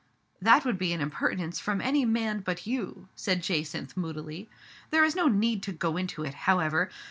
"That would be an impertinence from any man but you," said Jacynth moodily. " There is no need to go into it, however.